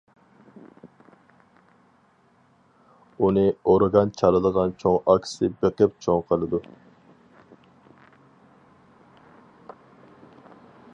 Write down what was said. ئۇنى ئورگان چالىدىغان چوڭ ئاكىسى بېقىپ چوڭ قىلىدۇ.